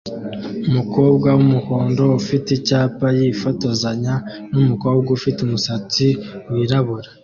Umukobwa wumuhondo ufite icyapa yifotozanya numukobwa ufite umusatsi wirabura